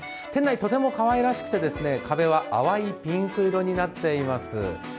店内とてもかわいらしくて、壁は淡いピンク色になっております。